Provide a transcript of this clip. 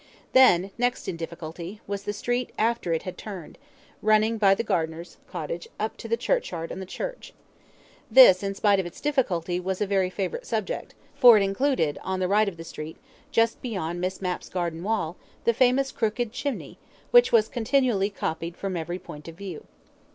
Then, next in difficulty, was the street after it had turned, running by the gardener's cottage up to the churchyard and the church. This, in spite of its difficulty, was a very favourite subject, for it included, on the right of the street, just beyond Miss Mapp's garden wall, the famous crooked chimney, which was continually copied from every point of view.